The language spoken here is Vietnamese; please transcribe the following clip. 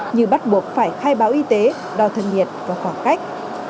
như bắt buộc phải khai báo y tế đo thân nhiệt và khoảng cách